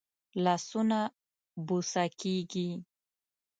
لاسونه بوسه کېږي